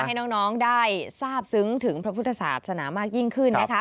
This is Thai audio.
ให้น้องได้ทราบซึ้งถึงพระพุทธศาสนามากยิ่งขึ้นนะคะ